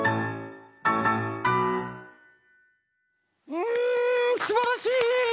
うんすばらしい！